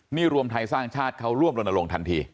นี่รวมไทยสร้างชาติเขาร่วมรณรงค์ทันที